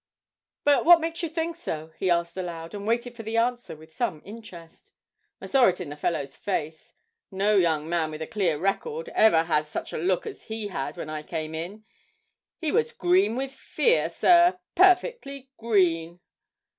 'But what makes you think so?' he asked aloud, and waited for the answer with some interest. 'I saw it in the fellow's face; no young man with a clear record ever has such a look as he had when I came in. He was green with fear, sir; perfectly green!'